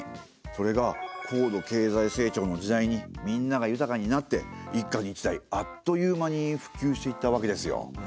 それが高度経済成長の時代にみんなが豊かになって一家に一台あっという間にふきゅうしていったわけですよ。